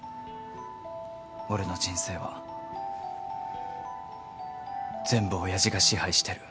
俺の人生は全部親父が支配してる。